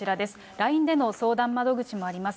ＬＩＮＥでの相談窓口もあります。